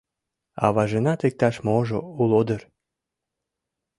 Аважынат иктаж-можо уло дыр...